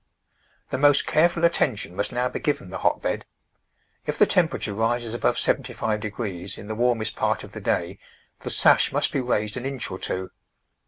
The most careful attention must now be given the hotbed. If the temperature rises above 75 degrees in the warmest part of the day the sash must be raised an inch or two.